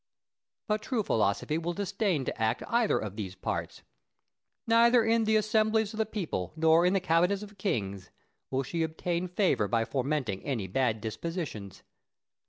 But true philosophy will disdain to act either of these parts. Neither in the assemblies of the people, nor in the cabinets of kings, will she obtain favour by fomenting any bad dispositions.